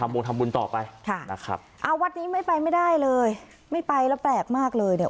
โบทำบุญต่อไปค่ะนะครับอ่าวัดนี้ไม่ไปไม่ได้เลยไม่ไปแล้วแปลกมากเลยเนี่ย